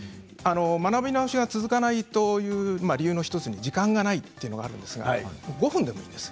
学び直しが続かないという理由の１つに時間がないというのがありますが５分でもいいんです。